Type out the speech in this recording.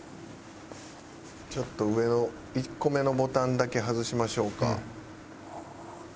ちょっと上の１個目のボタンだけ外しましょうか。